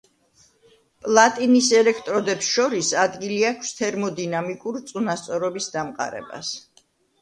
პლატინის ელექტროდებს შორის ადგილი აქვს თერმოდინამიკურ წონასწორობის დამყარებას.